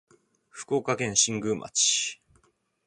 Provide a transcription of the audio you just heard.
福岡県新宮町